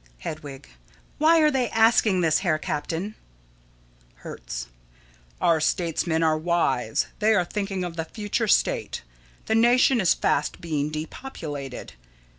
Hedwig: Why are they asking this, Herr Captain? Hertz: Our statesmen are wise. They are thinking of the future state. The nation is fast being depopulated.